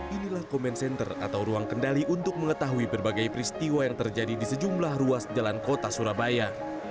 inilah comment center atau ruang kendali untuk mengetahui berbagai peristiwa yang terjadi di sejumlah ruas jalan kota surabaya